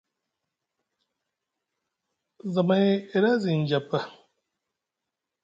Zamay e ɗa zi njapa.